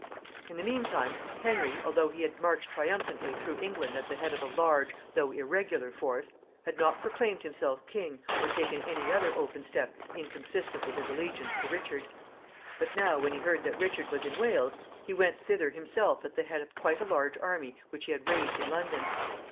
In the mean time, Henry, although he had marched triumphantly through England at the head of a large, though irregular force, had not proclaimed himself king, or taken any other open step inconsistent with his allegiance to Richard. But now, when he heard that Richard was in Wales, he went thither himself at the head of quite a large army which he had raised in London.